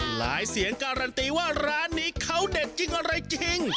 เสียงการันตีว่าร้านนี้เขาเด็ดจริงอะไรจริง